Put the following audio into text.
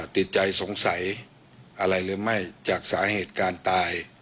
ติดใจสงสัยอะไรหรือไม่จากสาเหตุการณ์ตาย